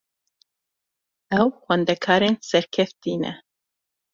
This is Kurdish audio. Ew xwendekarên serkeftî ne.